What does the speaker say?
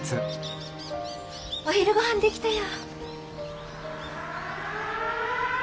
お昼ごはん出来たよ。